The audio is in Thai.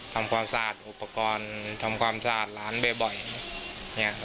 ทำความสะอาดอุปกรณ์ทำความสะอาดร้านบ่อยบ่อยเนี่ยครับ